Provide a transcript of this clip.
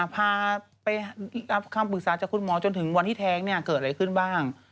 พาไปรับคำปรึกษาจากคุณหมอจนถึงวันที่แท้งเกิดอะไรขึ้นบ้าง